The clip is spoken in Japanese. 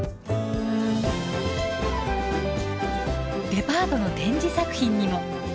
デパートの展示作品にも。